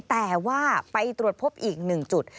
แต่ว่าไปตรวจพบอีก๑จุด